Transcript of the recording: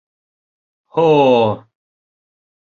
— Һо-о!